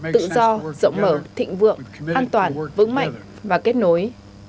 tự do rộng mở thịnh vượng an toàn vững mạnh và kết nối